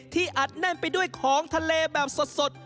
อัดแน่นไปด้วยของทะเลแบบสด